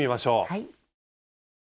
はい。